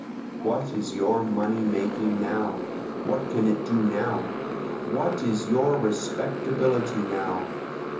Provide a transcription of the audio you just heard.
What is your money making now? what can it do now? What is your respectability now?